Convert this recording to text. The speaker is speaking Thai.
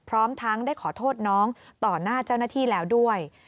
พร้อมทั้งได้ขอโทษน้องต่อหน้าเจ้าหน้าที่แล้วด้วย